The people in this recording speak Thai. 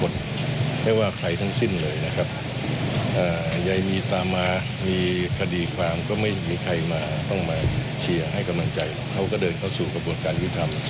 แล้วก็ขอให้เสียงเรียบร้อย